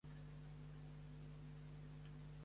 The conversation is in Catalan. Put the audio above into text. Jorge Ferrer Vidal va ser un escriptor nascut a Barcelona.